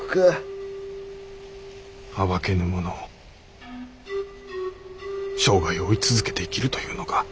暴けぬものを生涯追い続けて生きるというのか。